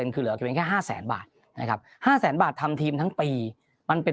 ๕๐คือเหลือแค่๕๐๐บาทนะครับ๕๐๐บาททำทีมทั้งปีมันเป็น